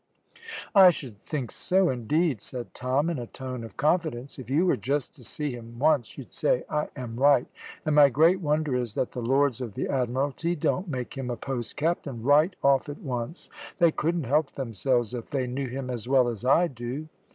"I should think so, indeed," said Tom, in a tone of confidence. "If you were just to see him once you'd say I am right, and my great wonder is, that the Lords of the Admiralty don't make him a post captain right off at once. They couldn't help themselves if they knew him as well as I do."